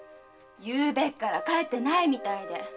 昨夜から帰ってないみたいで。